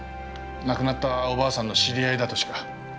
亡くなったおばあさんの知り合いだとしか。